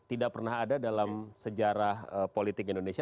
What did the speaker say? tidak pernah ada dalam sejarah politik indonesia